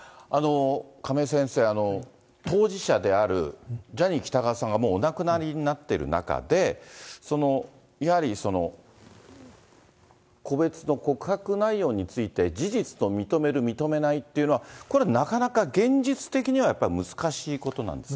亀井先生、当事者であるジャニー喜多川さんがもうお亡くなりになっている中で、そのやはり、個別の告白内容について、事実と認める、認めないっていうのは、これはなかなか現実的にはやっぱり難しいことなんですか。